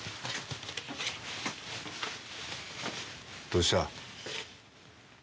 どうした？